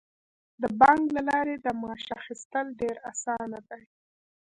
د بانک له لارې د معاش اخیستل ډیر اسانه دي.